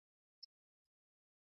ukimwi unaua